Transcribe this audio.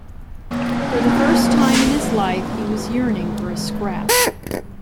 For the first time in his life he was yearning for a scrap.